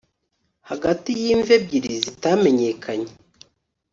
hagati y'imva ebyiri zitamenyekanye